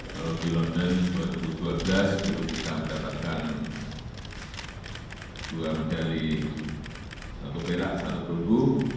kalau di london dua ribu dua belas itu kita mendapatkan dua medali satu perak satu perunggu